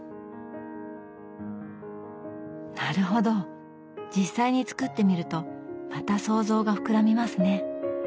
なるほど実際に作ってみるとまた想像が膨らみますね。